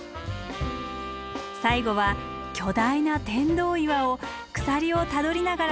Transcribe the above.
最後は巨大な天童岩を鎖をたどりながら登れば山頂です。